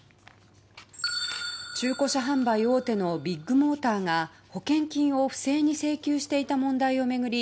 中古車販売大手のビッグモーターが保険金を不正に請求していた問題を巡り